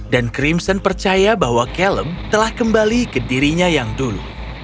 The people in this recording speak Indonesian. dan crimson percaya bahwa caleb telah kembali ke dirinya yang dulu